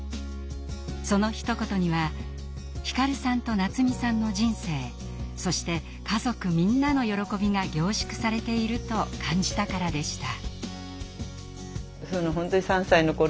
そのひと言には皓さんとなつみさんの人生そして家族みんなの喜びが凝縮されていると感じたからでした。